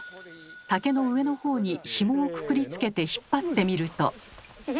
竹の上の方にひもをくくりつけて引っ張ってみると。